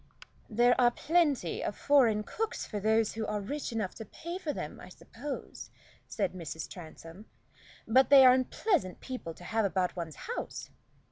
"There are plenty of foreign cooks for those who are rich enough to pay for them, I suppose," said Mrs. Transome, "but they are unpleasant people to have about one's house."